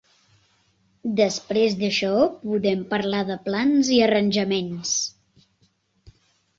Després d'això, podem parlar de plans i arranjaments.